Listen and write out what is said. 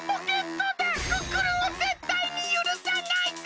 クックルンをぜったいにゆるさないぞ！